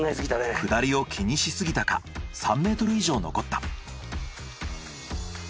下りを気にしすぎたか３ｍ以上残った。